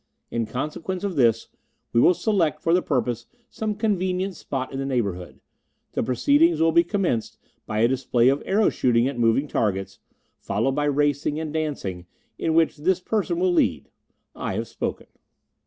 In consequence of this, we will select for the purpose some convenient spot in the neighbourhood. The proceedings will be commenced by a display of arrow shooting at moving objects, followed by racing and dancing, in which this person will lead. I have spoken."